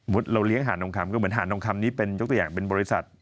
เราเลี้ยงหาดทองคำก็เหมือนหาดทองคำนี้เป็นยกตัวอย่างเป็นบริษัท